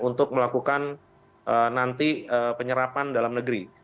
untuk melakukan nanti penyerapan dalam negeri